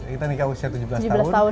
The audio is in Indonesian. kita nikah usia tujuh belas tahun